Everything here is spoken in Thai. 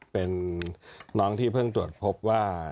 เป็นน้องที่เพิ่งตรวจพบว่า